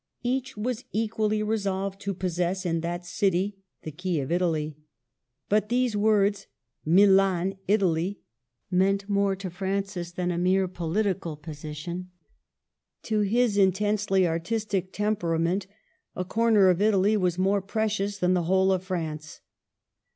Each was equally resolved to possess in that city the key of Italy. But these words, " Milan, Italy," meant more to Francis than a mere 36 MARGARET OF ANGOULtME. political position. To his intensely artistic tem perament a corner of Italy was more precious than the whole of France.